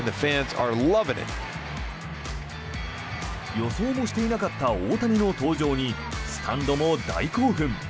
予想もしていなかった大谷の登場にスタンドも大興奮。